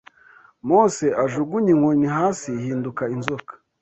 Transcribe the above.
Mose ajugunye inkoni hasi ihinduka inzoka